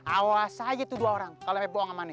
awas aja tuh dua orang kalau emang bohong sama ane